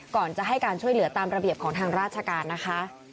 ก่อนจะให้การช่วยเหลือตามระเบียบของทางราชการนะคะ